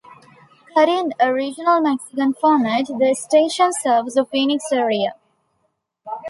Carrying a Regional Mexican format, the station serves the Phoenix area.